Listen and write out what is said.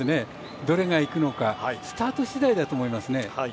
どれがいくのかスタートしだいだと思います。